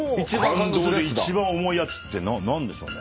感動で一番重いやつって何でしょうね？